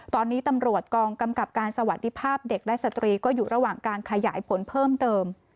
ตอนนี้ตำรวจกองกำกับการสวัสดีภาพเด็กและสตรีก็อยู่ระหว่างการขยายผลเพิ่มเติม